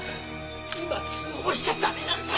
今通報しちゃ駄目なんだ！